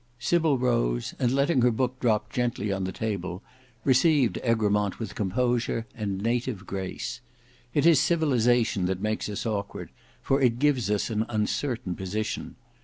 Sybil rose, and letting her book drop gently on the table, received Egremont with composure and native grace. It is civilization that makes us awkward, for it gives us an uncertain position.